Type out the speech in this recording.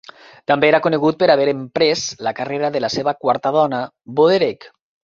També era conegut per haver emprès la carrera de la seva quarta dona, Bo Derek.